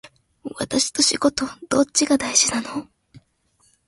私と仕事どっちが大事なの